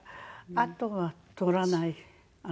あとは撮らない。